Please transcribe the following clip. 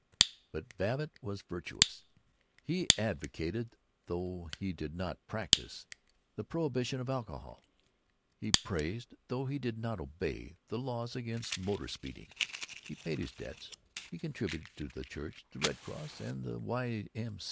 But Babbitt was virtuous. He advocated, though he did not practise, the prohibition of alcohol; he praised, though he did not obey, the laws against motor speeding; he paid his debts; he contributed to the church, the Red Cross, and the Y. M.